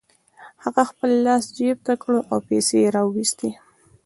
هغه خپل لاس جيب ته کړ او پيسې يې را و ايستې.